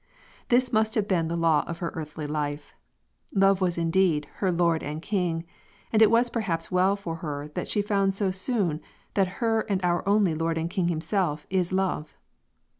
This must have been the law of her earthly life. Love was indeed "her Lord and King"; and it was perhaps well for her that she found so soon that her and our only Lord and King Himself is Love.